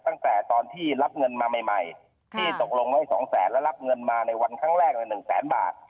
ตั้งแต่ตอนที่รับเงินมาใหม่ที่ตกลงไว้๒แสนแล้วรับเงินมาในวันครั้งแรกเลย๑แสนบาท